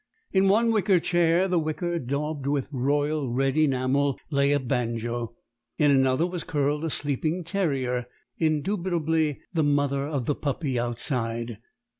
In one wicker chair the wicker daubed with royal red enamel lay a banjo; in another was curled a sleeping terrier indubitable mother of the puppy outside.